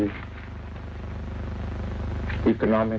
ราชาติ